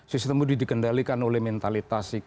sistem itu dikendalikan oleh mentalitas